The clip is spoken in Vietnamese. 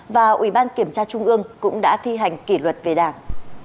và ủy ban kiểm tra trung ương cũng đã thi hành kỷ luật về đảng